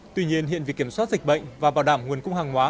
tuy nhiên hiện việc kiểm soát dịch bệnh và bảo đảm nguồn cung hàng hóa